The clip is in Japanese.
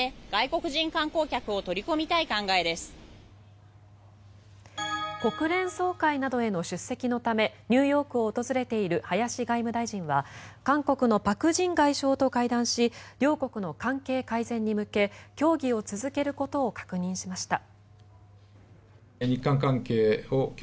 国連総会などへの出席のためニューヨークを訪れている林外務大臣は韓国のパク・ジン外相と会談し両国の関係改善に向け協議を続けることを確認しました。